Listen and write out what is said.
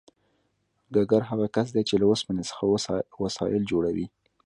ګګر هغه کس دی چې له اوسپنې څخه وسایل جوړوي